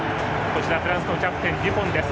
フランスのキャプテンデュポンです。